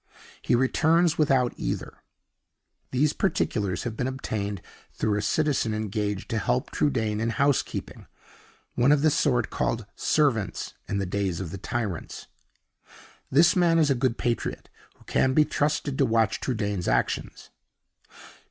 He returns without either. These particulars have been obtained through a citizen engaged to help Trudaine in housekeeping (one of the sort called Servants in the days of the Tyrants). This man is a good patriot, who can be trusted to watch Trudaine's actions.